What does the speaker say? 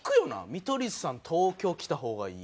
見取り図さん東京来た方がいい。